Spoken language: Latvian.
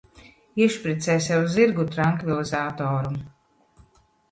Iešpricē sev zirgu trankvilizatoru.